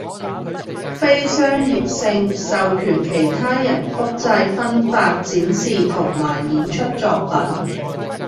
非商業性，授權其他人複製，分發，展示同埋演出作品